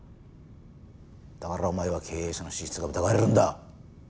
だからお前は経営者の資質が疑われるんだ。